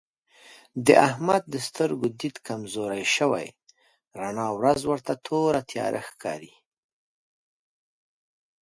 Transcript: د احمد د سترګو دید کمزوری شوی رڼا ورځ ورته توره تیاره ښکارېږي.